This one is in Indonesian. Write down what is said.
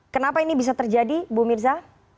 kenapa ini bisa terjadi bu mirza